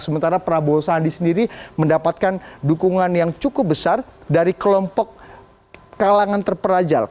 sementara prabowo sandi sendiri mendapatkan dukungan yang cukup besar dari kelompok kalangan terperajal